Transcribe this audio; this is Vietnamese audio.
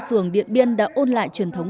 phường điện biên đã ôn lại truyền thống